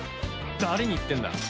誰に言ってんだ。